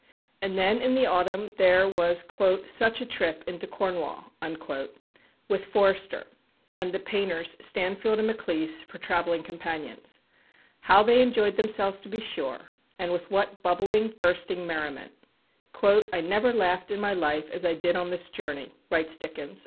And then in the autumn there was "such a trip ... into Cornwall," with Forster, and the painters Stanfield and Maclise for travelling companions. How they enjoyed themselves to be sure, and with what bubbling, bursting merriment. "I never laughed in my life as I did on this journey," writes Dickens